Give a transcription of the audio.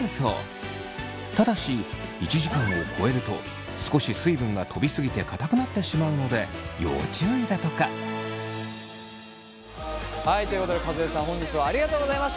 ただし１時間を超えると少し水分がとび過ぎてかたくなってしまうので要注意だとか。ということで和江さん本日はありがとうございました。